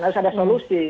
harus ada solusi